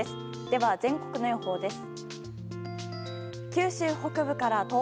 では全国の予報です。